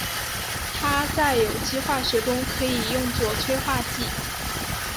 它在有机化学中可以用作催化剂。